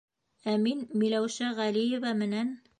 — Ә мин Миләүшә Ғәлиева менән...